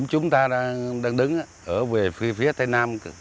chúng ta đang đứng ở phía phía tây nam